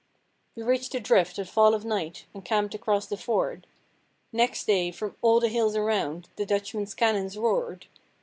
We reached the drift at fall of night, and camped across the ford. Next day from all the hills around the Dutchman's cannons roared.